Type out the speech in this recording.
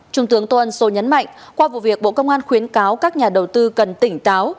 trung tướng tô ân sô nhấn mạnh qua vụ việc bộ công an khuyến cáo các nhà đầu tư cần tỉnh táo